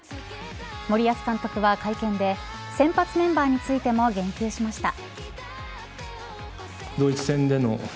森保監督は会見で先発メンバーについても言及しました。